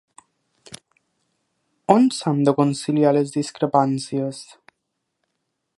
On s’han de conciliar les discrepàncies?